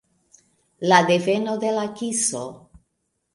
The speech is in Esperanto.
La deveno de la kiso.